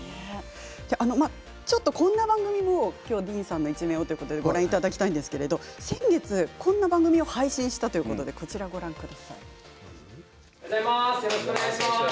この番組もディーンさんの一面をということでご覧いただきたいんですが先月こんな番組を配信したということで、こちらをご覧ください。